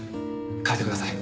変えてください。